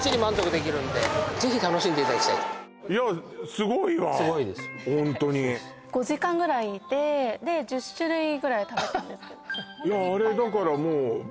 すごいわすごいですホントに５時間ぐらいいてで１０種類ぐらい食べたんですけどいやあれだからもうまあ変な話だけど